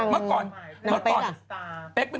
แล้วนางเมื่อก่อน